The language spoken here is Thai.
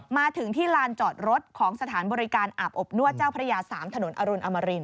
มาถึงที่ลานจอดรถของสถานบริการอาบอบนวดเจ้าพระยา๓ถนนอรุณอมริน